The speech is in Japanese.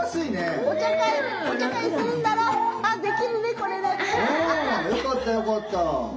うんよかったよかった。